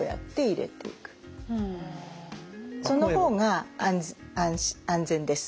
その方が安全です。